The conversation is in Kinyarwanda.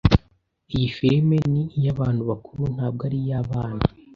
Iyi firime ni iyabantu bakuru, ntabwo ari iyabana.